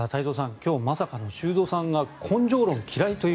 今日はまさかの修造さんが根性論、嫌いという。